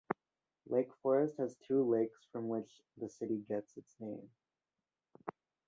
Lake Forest has two lakes from which the city gets its name.